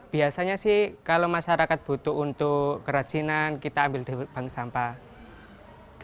biasanya sih kalau masyarakat butuh untuk kerajinan kita ambil dari bank sampah